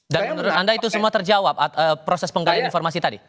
dan menurut anda itu semua terjawab proses penggali informasi tadi